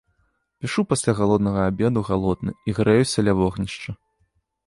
Пішу пасля галоднага абеду галодны і грэюся ля вогнішча.